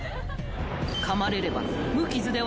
［かまれれば］